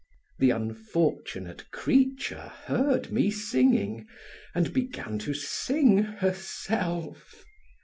The unfortunate creature heard me singing and began to sing herself.